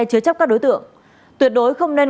chứa chấp các đối tượng tuyệt đối không nên